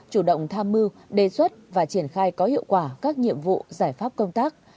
chủ động tham mưu đề xuất và triển khai có hiệu quả các nhiệm vụ giải pháp công tác